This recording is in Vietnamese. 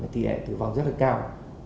tỷ lệ tử vong rất là cao ba mươi năm mươi